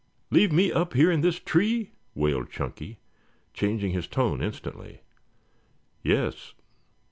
Leave me up here in this tree?" wailed Chunky, changing his tone instantly. "Yes."